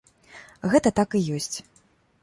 Гэта так і ёсць.